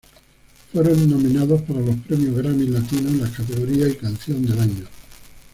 Fueron nominados para los Premio Grammy Latino en las categorías y canción del año.